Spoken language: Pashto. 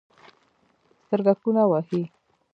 سترګکونه وهي